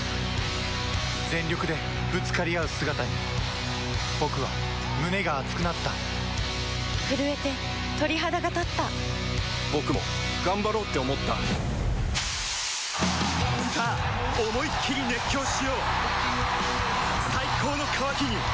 全力でぶつかり合う姿に僕は胸が熱くなった震えて鳥肌がたった僕も頑張ろうって思ったさあ思いっきり熱狂しよう最高の渇きにＤＲＹ